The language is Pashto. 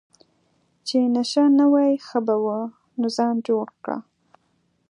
چې نشه نه وای ښه به وو، نو ځان جوړ کړه.